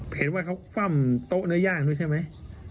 เห็นว่าเขาคว่ำโต๊ะเนื้อย่างด้วยใช่ไหม